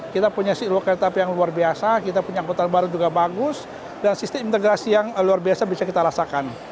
kita punya dua kereta api yang luar biasa kita punya angkutan baru juga bagus dan sistem integrasi yang luar biasa bisa kita rasakan